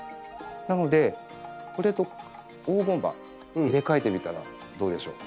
なのでこれと黄金葉入れ替えてみたらどうでしょう？